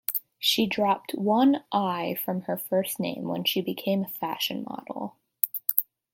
She dropped one 'l' from her first name when she became a fashion model.